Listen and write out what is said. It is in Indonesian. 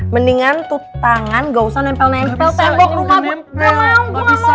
mendingan tutangan gausah nempel nempel tembok rumah gue